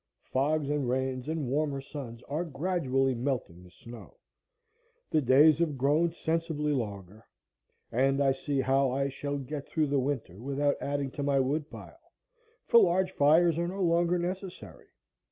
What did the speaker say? Fogs and rains and warmer suns are gradually melting the snow; the days have grown sensibly longer; and I see how I shall get through the winter without adding to my wood pile, for large fires are no longer necessary.